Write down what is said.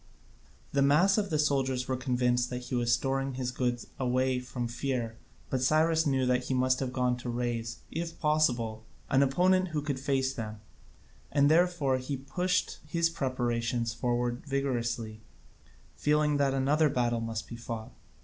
The mass of the soldiers were convinced that he was storing his goods away from fear, but Cyrus knew that he must have gone to raise, if possible, an opponent who could face them, and therefore he pushed his preparations forward vigorously, feeling that another battle must be fought.